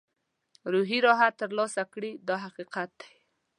روحي راحت ترلاسه کړي دا حقیقت دی.